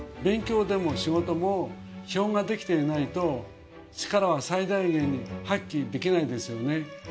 勉強でも仕事も基本ができていないと力は最大限に発揮できないんですよね。